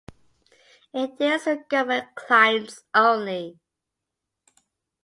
It deals with government clients only.